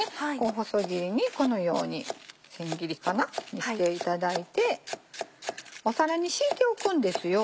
細切りにこのように千切りかなにしていただいてお皿に敷いておくんですよ。